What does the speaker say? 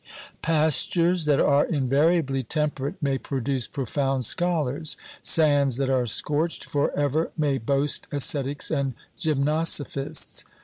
Pastures that are invariably temperate may produce profound scholars ; sands that are scorched for ever may boast ascetics and gymnosophists.